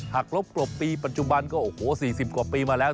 กรบกลบปีปัจจุบันก็โอ้โห๔๐กว่าปีมาแล้ว